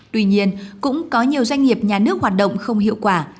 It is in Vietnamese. tuy nhiên cũng có nhiều doanh nghiệp nhà nước hoạt động không hiệu quả